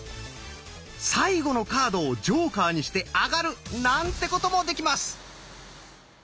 最後のカードをジョーカーにしてあがる！なんてこともできます！